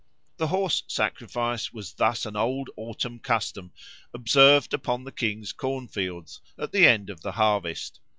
The horse sacrifice was thus an old autumn custom observed upon the king's corn fields at the end of the harvest.